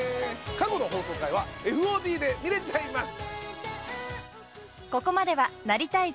過去の放送回はＦＯＤで見れちゃいます。